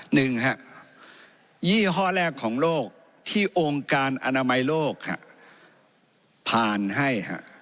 หนึ่งฮะยี่ห้อแรกของโลกที่องค์การอนามัยโลกผ่านให้